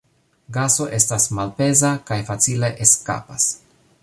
Gaso estas malpeza kaj facile eskapas.